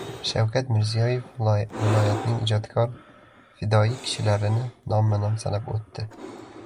Shavkat Mirziyoyev viloyatning ijodkor, fidoyi kishilarini nomma nom sanab o‘tdi